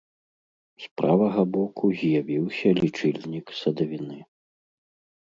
З правага боку з'явіўся лічыльнік садавіны.